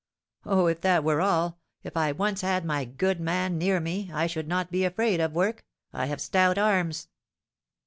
"Oh, if that were all, if I once had my good man near me, I should not be afraid of work! I have stout arms."